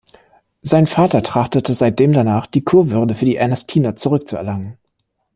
Sein Vater trachtete seitdem danach, die Kurwürde für die Ernestiner zurückzuerlangen.